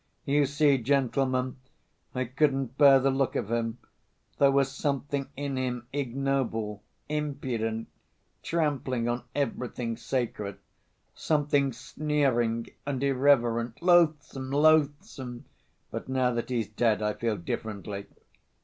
"You see, gentlemen, I couldn't bear the look of him, there was something in him ignoble, impudent, trampling on everything sacred, something sneering and irreverent, loathsome, loathsome. But now that he's dead, I feel differently."